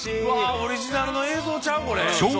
オリジナルの映像ちゃう？